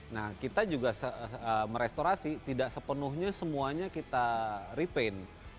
nah kita juga merestorasi tidak sepenuhnya semuanya kita repaint